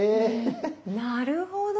なるほど。